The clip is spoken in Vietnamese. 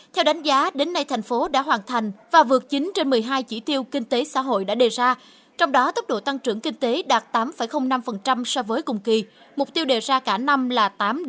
theo đánh giá đến nay thành phố đã hoàn thành và vượt chín trên một mươi hai chỉ tiêu kinh tế xã hội đã đề ra trong đó tốc độ tăng trưởng kinh tế đạt tám năm so với cùng kỳ mục tiêu đề ra cả năm là tám năm